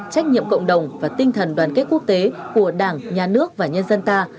trách nhiệm cộng đồng và tinh thần đoàn kết quốc tế của đảng nhà nước và nhân dân ta